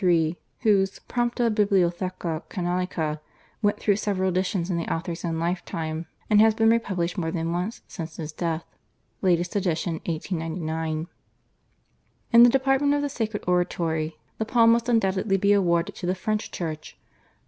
1763), whose /Prompta Bibliotheca Canonica/ went through several editions in the author's own lifetime and has been republished more than once since his death (latest edition 1899). In the department of sacred oratory the palm must undoubtedly be awarded to the French Church.